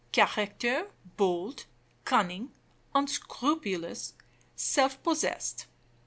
Character: bold, cunning, unscrupulous, self possessed.